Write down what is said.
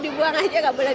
terus akan kenyamanan